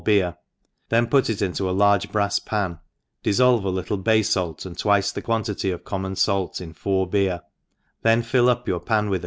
beer, then put it into alarge brafs pan, difiblve a little bay fait, and twice the quantity of com mon fait in four beer, then fill up ypur pan with